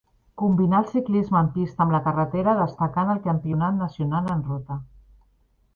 Combinà el ciclisme en pista amb la carretera destacant el campionat nacional en ruta.